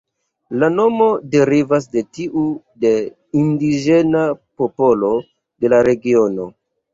La nomo derivas de tiu de indiĝena popolo de la regiono.